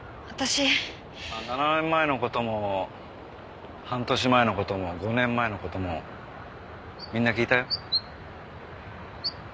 ７年前の事も半年前の事も５年前の事もみんな聞いたよ。